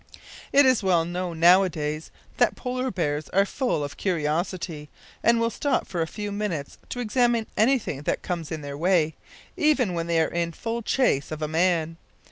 It it well known, nowadays, that polar bears are full of curiosity, and will stop for a few minutes to examine anything that comes in their way, even when they are in full chase of a man.